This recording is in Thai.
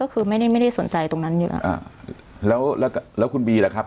ก็คือไม่ได้ไม่ได้สนใจตรงนั้นอยู่แล้วอ่าแล้วแล้วคุณบีล่ะครับ